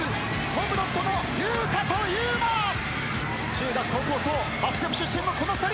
中学高校とバスケ部出身のこの２人。